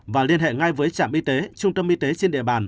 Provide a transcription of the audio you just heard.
và liên hệ ngay với trạm y tế trung tâm y tế trên địa bàn